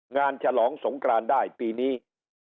ฉลองสงกรานได้ปีนี้